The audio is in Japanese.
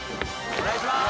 お願いします。